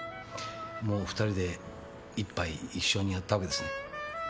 もう２人で一杯一緒にやったわけですね？